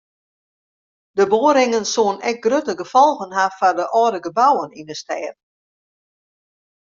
De boarringen soene ek grutte gefolgen ha foar de âlde gebouwen yn de stêd.